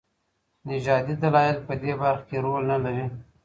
نژادي دلايل په دې برخه کي رول نلري.